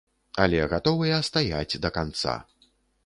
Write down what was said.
Але гатовыя стаяць да канца.